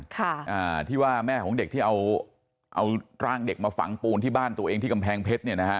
ค่ะอ่าที่ว่าแม่ของเด็กที่เอาเอาร่างเด็กมาฝังปูนที่บ้านตัวเองที่กำแพงเพชรเนี่ยนะฮะ